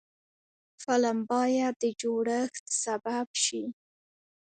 فلم باید د جوړښت سبب شي